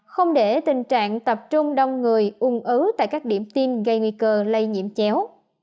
không để tình trạng tập trung đông người ung ứ tại các điểm tiêm gây nguy cơ lây nhiễm chéo